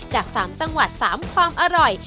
จาก๓จังหวัด๓ความอร่อย